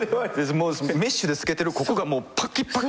メッシュで透けてるここがもうパキパキ！